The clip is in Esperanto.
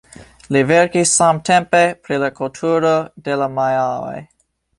Li verkis samtempe pri la kulturo de la majaoj.